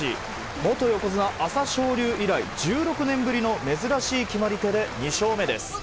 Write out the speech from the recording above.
元横綱・朝青龍以来１６年ぶりの珍しい決まり手で２勝目です。